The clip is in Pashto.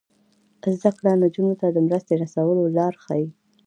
زده کړه نجونو ته د مرستې رسولو لارې ښيي.